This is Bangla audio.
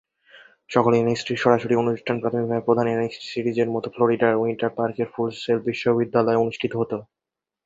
সকল এনএক্সটির সরাসরি অনুষ্ঠান প্রাথমিকভাবে প্রধান এনএক্সটি সিরিজের মতো ফ্লোরিডার উইন্টার পার্কের ফুল সেল বিশ্ববিদ্যালয়ে অনুষ্ঠিত হতো।